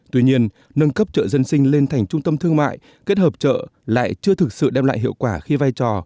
tuy nhiên nâng cấp chợ dân sinh lên thành trung tâm thương mại kết hợp chợ lại chưa thực sự đem lại hiệu quả khi vai trò